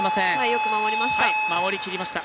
よく守りました。